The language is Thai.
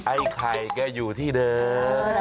ไอ้ไข่แกอยู่ที่เดิม